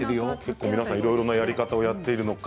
皆さん、いろいろなやり方をやっているのか。